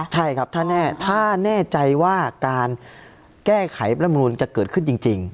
ใช่ครับถ้าแน่ใจว่าการแก้ไขรัฐบธศณประหลูกจัดเกิดขึ้นจริง